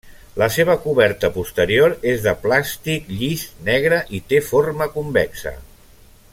La seva coberta posterior és de plàstic llis negre i té forma convexa.